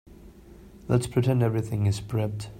Let's pretend everything is prepped.